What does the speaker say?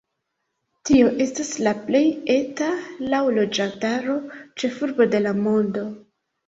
Tio estas la plej eta laŭ loĝantaro ĉefurbo de la mondo.